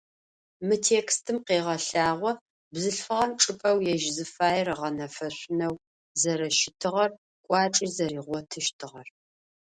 Мы текстым къегъэлъагъо бзылъфыгъэм чӏыпӏэу ежь зыфаер ыгъэнэфэшъунэу зэрэщытыгъэр, кӏуачӏи зэригъотыщтыгъэр.